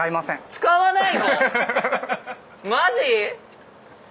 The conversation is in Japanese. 使わない。